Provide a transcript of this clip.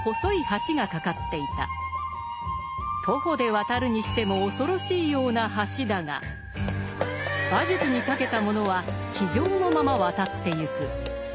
徒歩で渡るにしても恐ろしいような橋だが馬術にたけた者は騎乗のまま渡ってゆく。